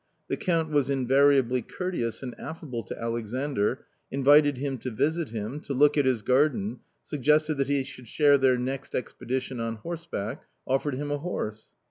The Count was invariably courteous and affable to Alexandr, invited him to visit him, to look at his garden, suggested that he should share their next expedition on horseback, offered him a horse.